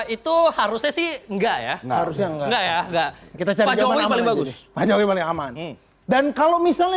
itu harusnya sih enggak ya harusnya enggak ya enggak kita cari paling bagus dan kalau misalnya